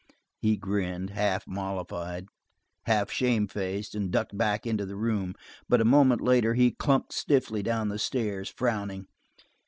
He grinned, half mollified, half shame faced, and ducked back into the room, but a moment later he clumped stiffly down the stairs, frowning.